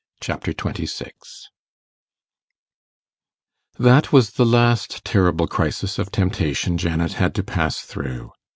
Chapter 26 That was the last terrible crisis of temptation Janet had to pass through.